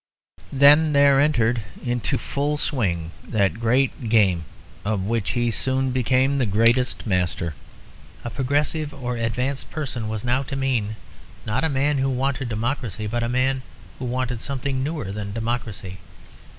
Then there entered into full swing that great game of which he soon became the greatest master. A progressive or advanced person was now to mean not a man who wanted democracy, but a man who wanted something newer than democracy.